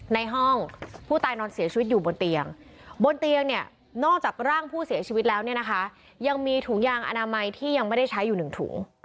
ในห้องผู้ตายนอนเสียชีวิตอยู่บนเตียงบนเตียงเนี่ยนอกจากร่างผู้เสียชีวิตแล้วเนี่ยนะคะยังมีถุงยางอนามัยที่ยังไม่ได้ใช้อยู่หนึ่งถุง